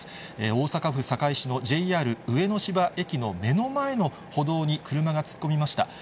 大阪府堺市のＪＲ上野芝駅の目の前の歩道に、車が突っ込みました。